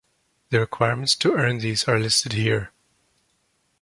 The requirements to earn these are listed here.